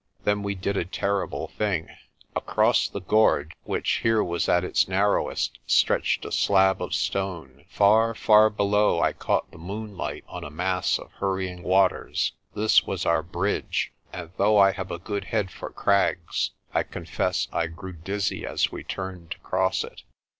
Then we did a terrible thing. Across the gorge, which here was at its narrowest, stretched a slab of stone. Far, far below I caught the moon light on a mass of hurrying waters. This was our bridge, and though I have a good head for crags, I confess I grew dizzy as we turned to cross it.